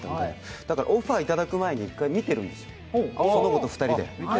だからオファーいただく前に一回見ているんです、その子と２人で。